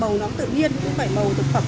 mẫu nó tự nhiên cũng phải mẫu thực phẩm